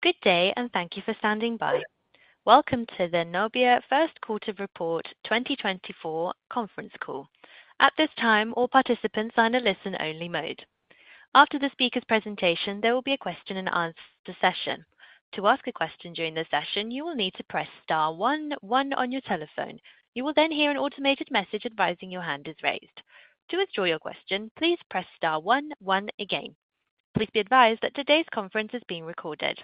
Good day and thank you for standing by. Welcome to the Nobia First Quarter Report 2024 Conference Call. At this time, all participants are in a listen-only mode. After the speaker's presentation, there will be a question-and-answer session. To ask a question during the session, you will need to press star one one on your telephone. You will then hear an automated message advising your hand is raised. To withdraw your question, please press star one one again. Please be advised that today's conference is being recorded.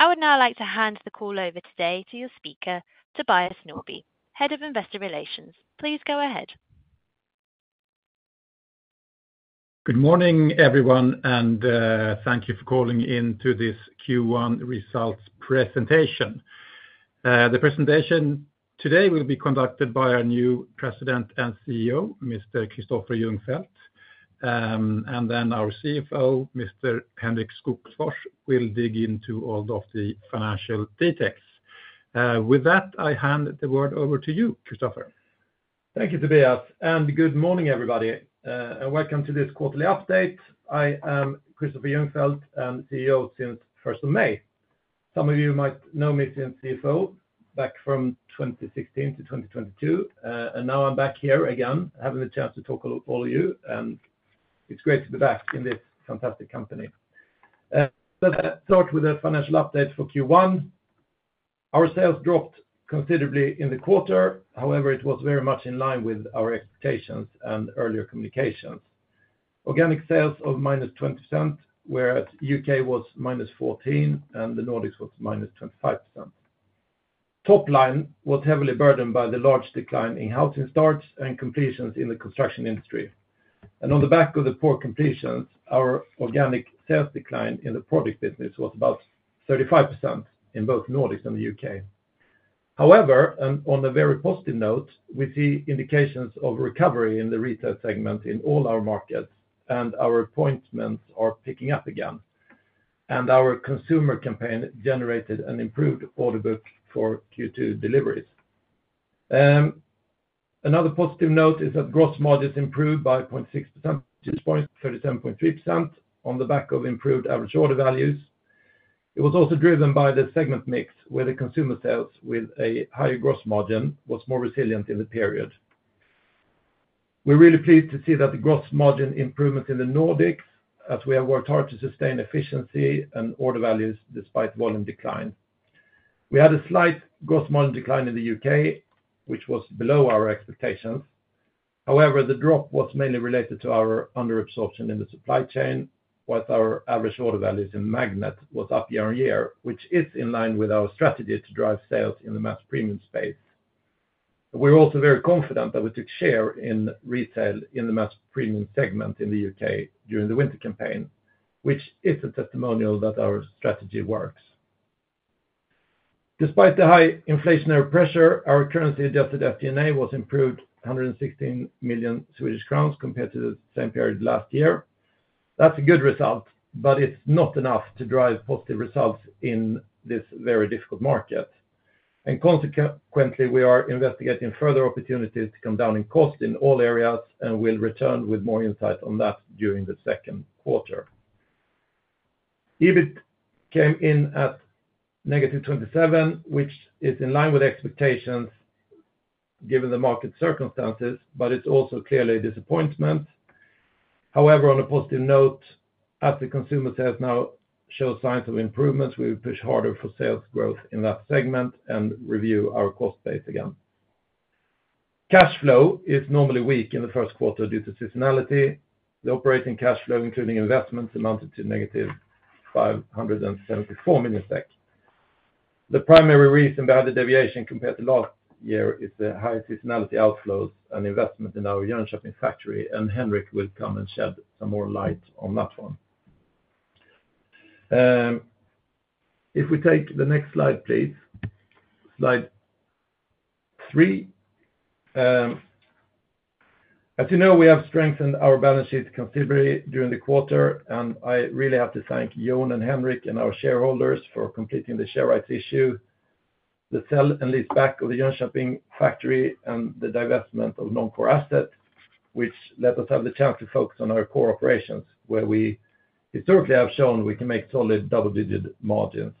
I would now like to hand the call over today to your speaker, Tobias Norrby, Head of Investor Relations. Please go ahead. Good morning, everyone, and thank you for calling in to this Q1 results presentation. The presentation today will be conducted by our new President and CEO, Mr. Kristoffer Ljungfelt, and then our CFO, Mr. Henrik Skogsfors, will dig into all of the financial details. With that, I hand the word over to you, Kristoffer. Thank you, Tobias, and good morning, everybody, and welcome to this quarterly update. I am Kristoffer Ljungfelt and CEO since 1st of May. Some of you might know me since CFO back from 2016 to 2022, and now I'm back here again having the chance to talk to all of you, and it's great to be back in this fantastic company. Let's start with a financial update for Q1. Our sales dropped considerably in the quarter. However, it was very much in line with our expectations and earlier communications. Organic sales of -20%, whereas U.K. was -14% and the Nordics was -25%. Top line was heavily burdened by the large decline in housing starts and completions in the construction industry. On the back of the poor completions, our organic sales decline in the product business was about 35% in both Nordics and the U.K. However, on a very positive note, we see indications of recovery in the retail segment in all our markets, and our appointments are picking up again. And our consumer campaign generated an improved order book for Q2 deliveries. Another positive note is that gross margins improved by 0.6 percentage points, 37.3%, on the back of improved average order values. It was also driven by the segment mix, where the consumer sales with a higher gross margin was more resilient in the period. We're really pleased to see that the gross margin improvement in the Nordics, as we have worked hard to sustain efficiency and order values despite volume decline. We had a slight gross margin decline in the U.K., which was below our expectations. However, the drop was mainly related to our underabsorption in the supply chain, while our average order values in Magnet were up year-on-year, which is in line with our strategy to drive sales in the mass premium space. We're also very confident that we took share in retail in the mass premium segment in the U.K. during the Winter Campaign, which is a testimonial that our strategy works. Despite the high inflationary pressure, our currency-adjusted EBITDA was improved 116 million Swedish crowns compared to the same period last year. That's a good result, but it's not enough to drive positive results in this very difficult market. Consequently, we are investigating further opportunities to come down in cost in all areas, and we'll return with more insight on that during the second quarter. EBIT came in at -27 million, which is in line with expectations given the market circumstances, but it's also clearly a disappointment. However, on a positive note, as the consumer sales now show signs of improvements, we will push harder for sales growth in that segment and review our cost base again. Cash flow is normally weak in the first quarter due to seasonality. The operating cash flow, including investments, amounted to -574 million SEK. The primary reason we had a deviation compared to last year is the high seasonality outflows and investment in our Jönköping factory, and Henrik will come and shed some more light on that one. If we take the next slide, please, slide three. As you know, we have strengthened our balance sheets considerably during the quarter, and I really have to thank Jan and Henrik and our shareholders for completing the rights issue, the sale and leaseback of the Jönköping factory, and the divestment of non-core assets, which let us have the chance to focus on our core operations, where we historically have shown we can make solid double-digit margins.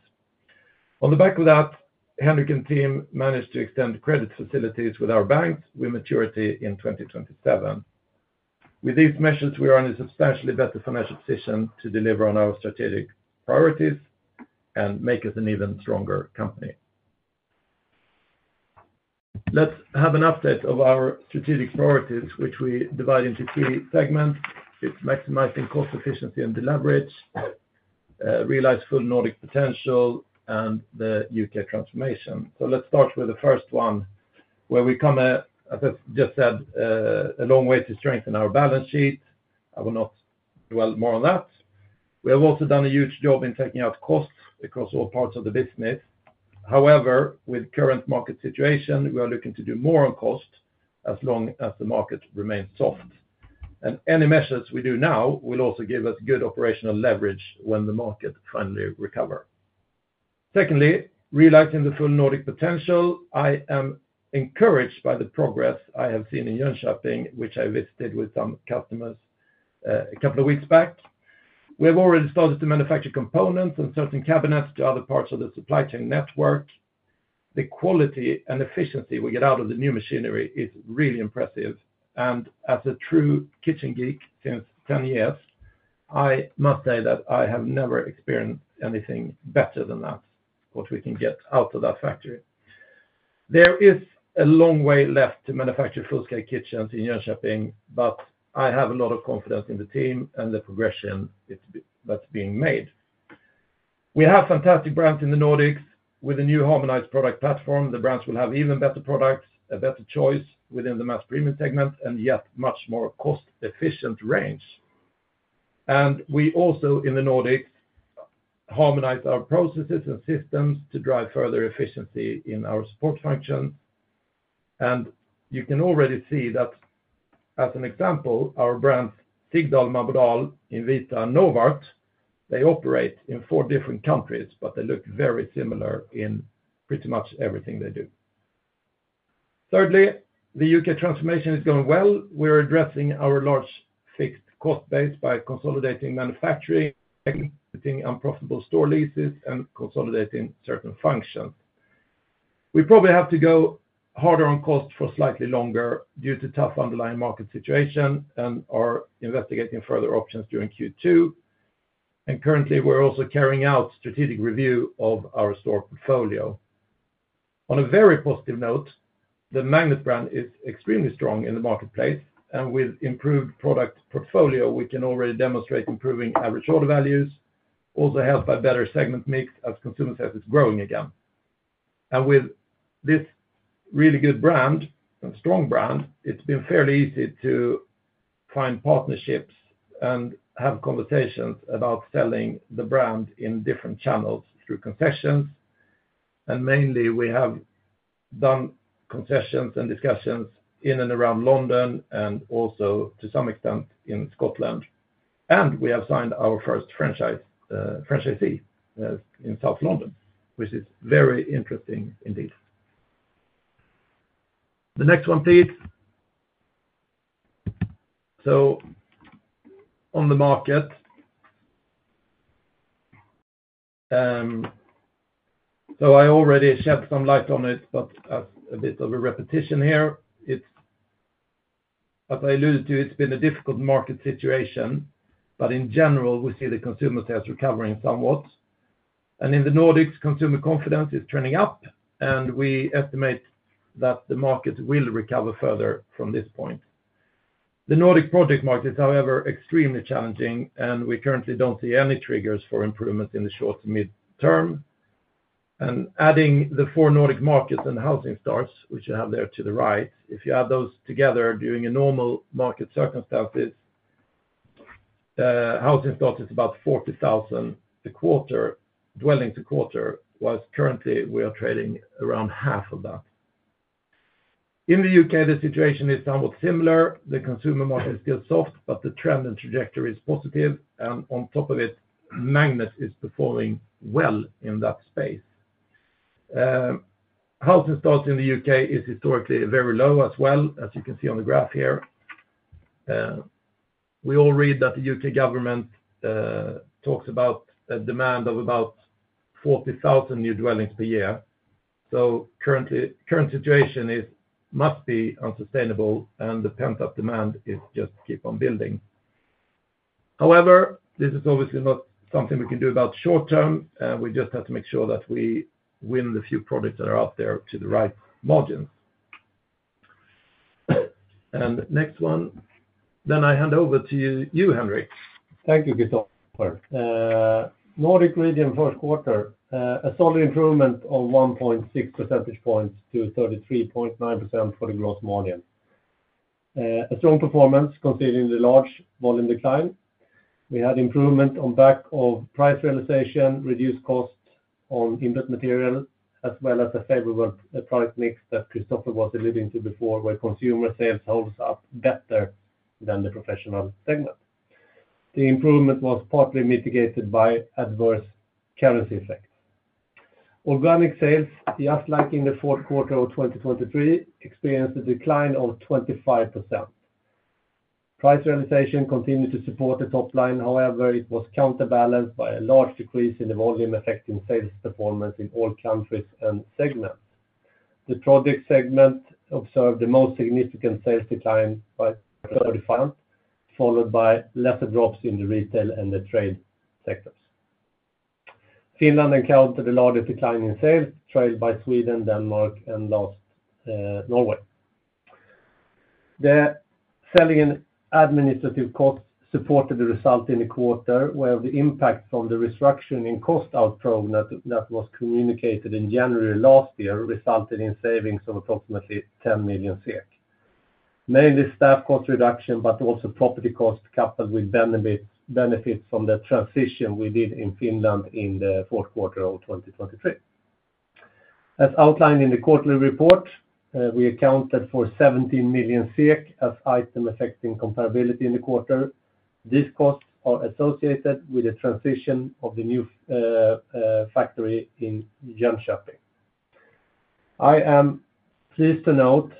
On the back of that, Henrik and team managed to extend credit facilities with our banks with maturity in 2027. With these measures, we are in a substantially better financial position to deliver on our strategic priorities and make us an even stronger company. Let's have an update of our strategic priorities, which we divide into three segments. It's maximizing cost efficiency and deleverage, realize full Nordic potential, and the U.K. transformation. So let's start with the first one, where we come, as I just said, a long way to strengthen our balance sheet. I will not dwell more on that. We have also done a huge job in taking out costs across all parts of the business. However, with the current market situation, we are looking to do more on cost as long as the market remains soft. And any measures we do now will also give us good operational leverage when the market finally recovers. Secondly, realizing the full Nordic potential, I am encouraged by the progress I have seen in Jönköping, which I visited with some customers a couple of weeks back. We have already started to manufacture components and certain cabinets to other parts of the supply chain network. The quality and efficiency we get out of the new machinery is really impressive. As a true kitchen geek since 10 years, I must say that I have never experienced anything better than that, what we can get out of that factory. There is a long way left to manufacture full-scale kitchens in Jönköping, but I have a lot of confidence in the team and the progression that's being made. We have fantastic brands in the Nordics. With a new harmonized product platform, the brands will have even better products, a better choice within the Mass Premium segment, and yet much more cost-efficient range. We also, in the Nordics, harmonize our processes and systems to drive further efficiency in our support functions. You can already see that, as an example, our brands Sigdal, Marbodal, Invita, and Novart, they operate in four different countries, but they look very similar in pretty much everything they do. Thirdly, the U.K. transformation is going well. We are addressing our large fixed cost base by consolidating manufacturing, limiting unprofitable store leases, and consolidating certain functions. We probably have to go harder on cost for slightly longer due to tough underlying market situation and are investigating further options during Q2. Currently, we're also carrying out strategic review of our store portfolio. On a very positive note, the Magnet brand is extremely strong in the marketplace, and with improved product portfolio, we can already demonstrate improving average order values, also helped by better segment mix as consumer sales is growing again. With this really good brand, a strong brand, it's been fairly easy to find partnerships and have conversations about selling the brand in different channels through concessions. Mainly, we have done concessions and discussions in and around London and also, to some extent, in Scotland. We have signed our first franchisee in South London, which is very interesting indeed. The next one, please. So, on the market. So I already shed some light on it, but as a bit of a repetition here, as I alluded to, it's been a difficult market situation. But in general, we see the consumer sales recovering somewhat. And in the Nordics, consumer confidence is turning up, and we estimate that the market will recover further from this point. The Nordic project market is, however, extremely challenging, and we currently don't see any triggers for improvements in the short- to mid-term. And adding the four Nordic markets and housing starts, which you have there to the right, if you add those together during normal market circumstances, housing starts is about 40,000 a quarter, dwellings a quarter, while currently, we are trading around half of that. In the U.K., the situation is somewhat similar. The consumer market is still soft, but the trend and trajectory is positive. And on top of it, Magnet is performing well in that space. Housing starts in the U.K. is historically very low as well, as you can see on the graph here. We all read that the U.K. government talks about a demand of about 40,000 new dwellings per year. So current situation must be unsustainable, and the pent-up demand is just keep on building. However, this is obviously not something we can do about short term. We just have to make sure that we win the few products that are out there to the right margins. And next one. Then I hand over to you, Henrik. Thank you, Kristoffer. Nordic region first quarter, a solid improvement of 1.6 percentage points to 33.9% for the gross margin. A strong performance considering the large volume decline. We had improvement on back of price realization, reduced cost on input material, as well as a favorable product mix that Kristoffer was alluding to before, where consumer sales holds up better than the professional segment. The improvement was partly mitigated by adverse currency effects. Organic sales, just like in the fourth quarter of 2023, experienced a decline of 25%. Price realization continued to support the top line. However, it was counterbalanced by a large decrease in the volume affecting sales performance in all countries and segments. The project segment observed the most significant sales decline by 35%, followed by lesser drops in the retail and the trade sectors. Finland encountered the largest decline in sales, trailed by Sweden, Denmark, and last, Norway. The selling and administrative costs supported the result in the quarter, where the impact from the restriction in cost outflow that was communicated in January last year resulted in savings of approximately 10 million SEK, mainly staff cost reduction, but also property costs coupled with benefits from the transition we did in Finland in the fourth quarter of 2023. As outlined in the quarterly report, we accounted for 17 million SEK as item affecting comparability in the quarter. These costs are associated with the transition of the new factory in Jönköping. I am pleased to note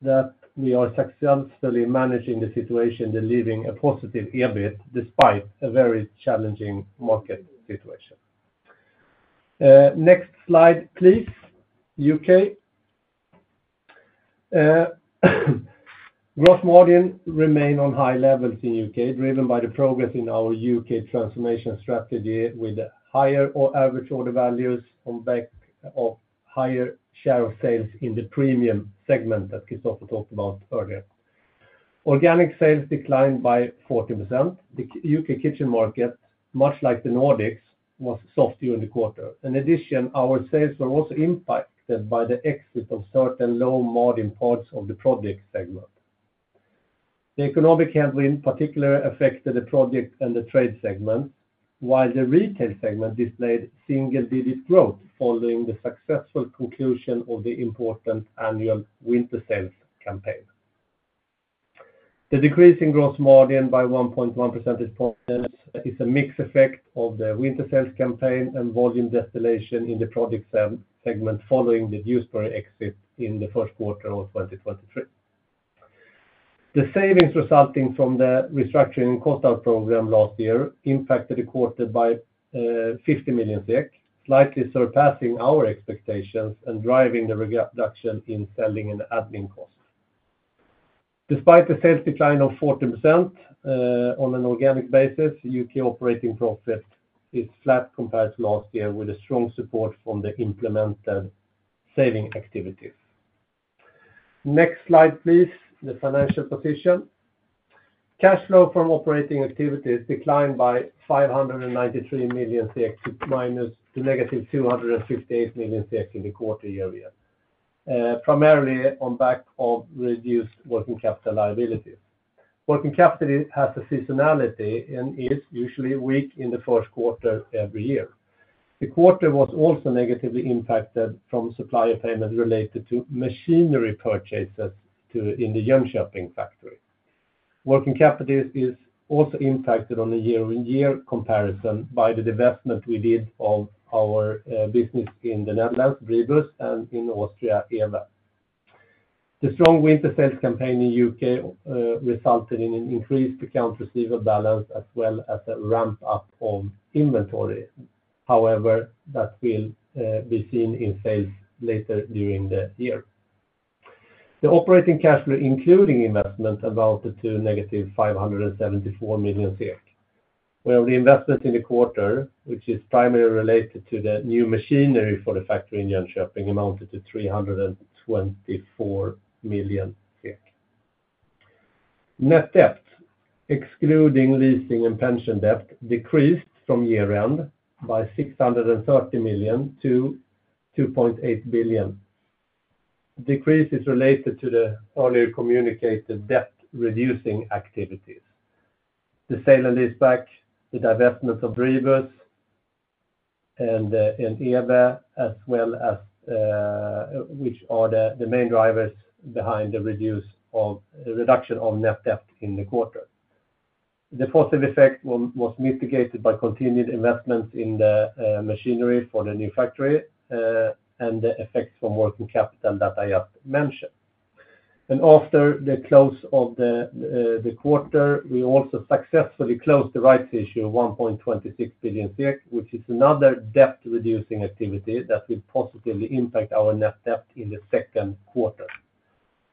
that we are successfully managing the situation, delivering a positive EBIT despite a very challenging market situation. Next slide, please. U.K. Gross margin remained on high levels in the U.K., driven by the progress in our U.K. transformation strategy with higher average order values on back of higher share of sales in the premium segment that Kristoffer talked about earlier. Organic sales declined by 40%. The U.K. kitchen market, much like the Nordics, was soft during the quarter. In addition, our sales were also impacted by the exit of certain low margin parts of the project segment. The economic headwind, in particular, affected the project and the trade segments, while the retail segment displayed single-digit growth following the successful conclusion of the important annual winter sales campaign. The decrease in gross margin by 1.1 percentage points is a mixed effect of the winter sales campaign and volume distillation in the project segment following the Dewsbury exit in the first quarter of 2023. The savings resulting from the restructuring and cost out program last year impacted the quarter by 50 million SEK, slightly surpassing our expectations and driving the reduction in selling and admin costs. Despite the sales decline of 40% on an organic basis, U.K. operating profit is flat compared to last year, with a strong support from the implemented saving activities. Next slide, please. The financial position. Cash flow from operating activities declined by 593 million to minus to negative 258 million in the quarter year-to-year, primarily on back of reduced working capital liabilities. Working capital has a seasonality and is usually weak in the first quarter every year. The quarter was also negatively impacted from supplier payments related to machinery purchases in the Jönköping factory. Working capital is also impacted on a year-on-year comparison by the divestment we did of our business in the Netherlands, Bribus, and in Austria, ewe. The strong winter sales campaign in the U.K. resulted in an increased account receivable balance as well as a ramp-up of inventory. However, that will be seen in sales later during the year. The operating cash flow, including investment, amounted to -574 million SEK, where the investment in the quarter, which is primarily related to the new machinery for the factory in Jönköping, amounted to 324 million. Net debt, excluding leasing and pension debt, decreased from year-end by 630 million to 2.8 billion. The decrease is related to the earlier communicated debt-reducing activities: the sale and lease back, the divestment of Bribus and ewe, which are the main drivers behind the reduction of net debt in the quarter. The positive effect was mitigated by continued investments in the machinery for the new factory and the effects from working capital that I just mentioned. After the close of the quarter, we also successfully closed the rights issue, 1.26 billion, which is another debt-reducing activity that will positively impact our net debt in the second quarter.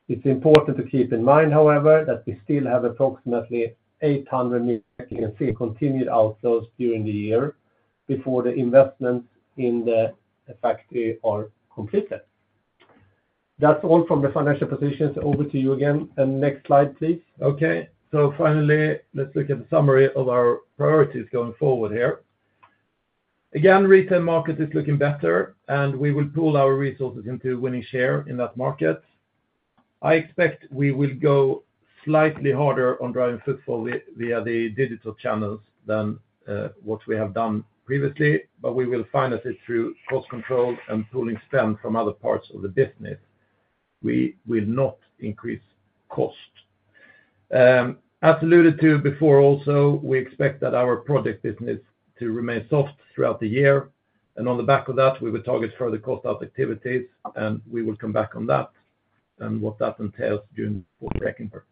It's important to keep in mind, however, that we still have approximately 800 million in continued outflows during the year before the investments in the factory are completed. That's all from the financial positions. Over to you again. Next slide, please. Okay. So finally, let's look at the summary of our priorities going forward here. Again, the retail market is looking better, and we will pull our resources into winning share in that market. I expect we will go slightly harder on driving footfall via the digital channels than what we have done previously, but we will finance it through cost control and pulling spend from other parts of the business. We will not increase cost. As alluded to before also, we expect that our project business to remain soft throughout the year. And on the back of that, we will target further cost out activities, and we will come back on that and what that entails during the quarter breaking period.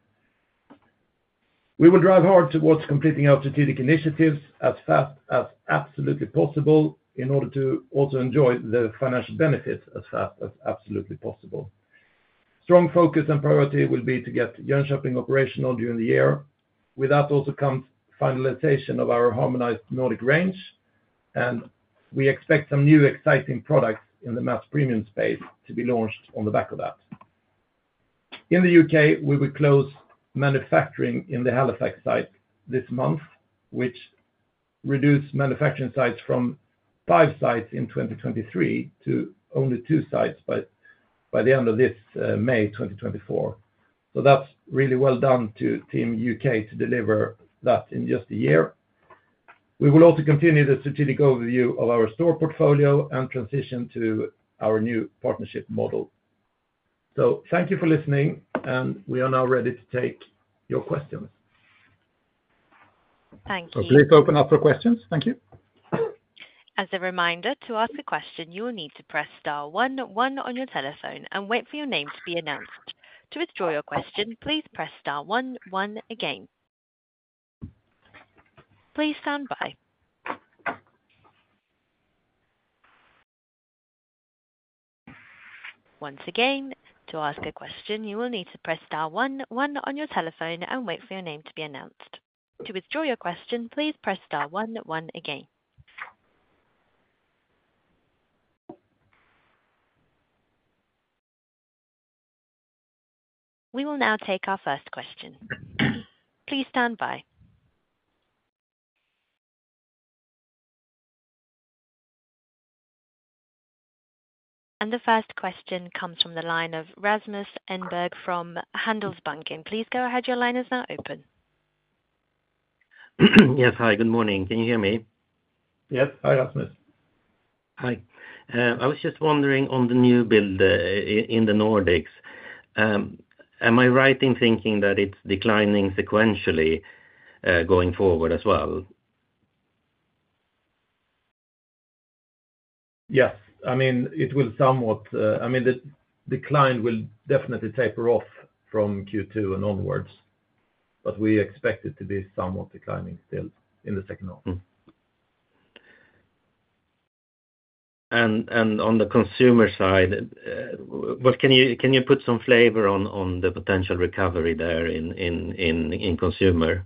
We will drive hard towards completing our strategic initiatives as fast as absolutely possible in order to also enjoy the financial benefits as fast as absolutely possible. Strong focus and priority will be to get Jönköping operational during the year. With that also comes finalization of our harmonized Nordic range, and we expect some new exciting products in the mass premium space to be launched on the back of that. In the U.K., we will close manufacturing in the Halifax site this month, which reduced manufacturing sites from five sites in 2023 to only two sites by the end of this May 2024. So that's really well done to Team U.K. to deliver that in just a year. We will also continue the strategic overview of our store portfolio and transition to our new partnership model. So thank you for listening, and we are now ready to take your questions. Thank you. Please open up for questions. Thank you. As a reminder, to ask a question, you will need to press star one one on your telephone and wait for your name to be announced. To withdraw your question, please press star one one again. Please stand by. Once again, to ask a question, you will need to press star one one on your telephone and wait for your name to be announced. To withdraw your question, please press star one one again. We will now take our first question. Please stand by. And the first question comes from the line of Rasmus Engberg from Handelsbanken. Please go ahead. Your line is now open. Yes. Hi. Good morning. Can you hear me? Yes. Hi, Rasmus. Hi. I was just wondering on the new build in the Nordics. Am I right in thinking that it's declining sequentially going forward as well? Yes. I mean, it will somewhat I mean, the decline will definitely taper off from Q2 and onwards, but we expect it to be somewhat declining still in the second half. On the consumer side, can you put some flavor on the potential recovery there in consumer?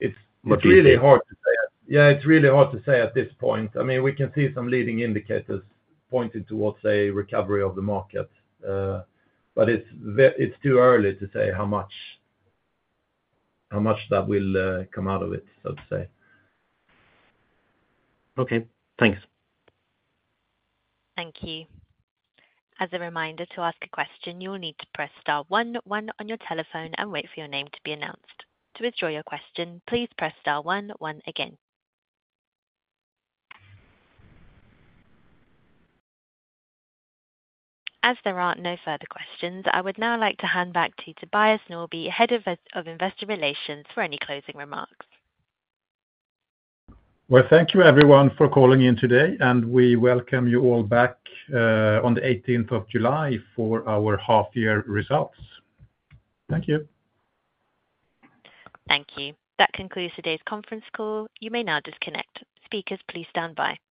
It's really hard to say. Yeah, it's really hard to say at this point. I mean, we can see some leading indicators pointing towards, say, recovery of the market, but it's too early to say how much that will come out of it, so to say. Okay. Thanks. Thank you. As a reminder, to ask a question, you will need to press star one one on your telephone and wait for your name to be announced. To withdraw your question, please press star one one again. As there are no further questions, I would now like to hand back to Tobias Norrby, Head of Investor Relations, for any closing remarks. Well, thank you, everyone, for calling in today, and we welcome you all back on the 18th of July for our half-year results. Thank you. Thank you. That concludes today's conference call. You may now disconnect. Speakers, please stand by.